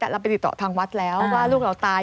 เราไปติดต่อทางวัดแล้วว่าลูกเราตาย